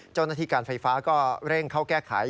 เจ้าหน้าที่การไฟฟ้าก็เร่งเข้าแก้ไข